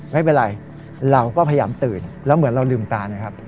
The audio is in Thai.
ไม่เป็นไรเราก็พยายามตื่นแล้วเหมือนเราลืมตานะครับ